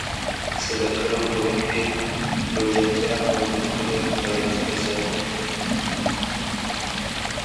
صدقه ورکوونکي، روژاتيان او د خپلو فرجونو ساتونکي.